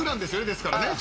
ですからね。